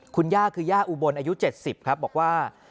คุณย่าคือย่าอุบลอายุ๗๐ครับบอกว่า